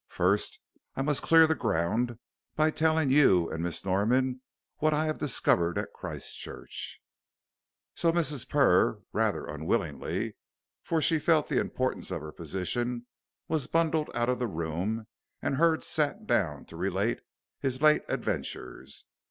First, I must clear the ground by telling you and Miss Norman what I have discovered at Christchurch." So Mrs. Purr, rather unwillingly, for she felt the importance of her position, was bundled out of the room, and Hurd sat down to relate his late adventures.